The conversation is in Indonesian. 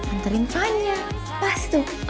anterin fania pas tuh